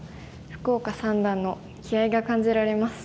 福岡三段の気合いが感じられます。